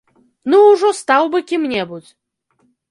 Ну ўжо стаў бы кім-небудзь!